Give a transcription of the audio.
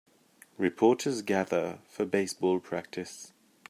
Reporters gather for baseball practice.